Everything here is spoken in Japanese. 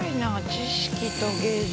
知識と芸術と。